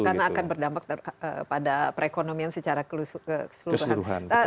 karena akan berdampak pada perekonomian secara keseluruhan